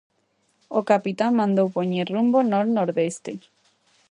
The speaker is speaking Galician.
O capitán mandou poñer rumbo nor-nordeste.